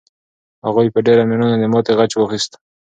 هغوی په ډېر مېړانه د ماتې غچ واخیست.